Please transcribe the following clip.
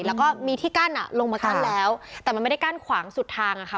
แล้วก็มีที่กั้นอ่ะลงมากั้นแล้วแต่มันไม่ได้กั้นขวางสุดทางอะค่ะ